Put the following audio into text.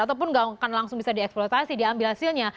ataupun nggak akan langsung bisa dieksploitasi diambil hasilnya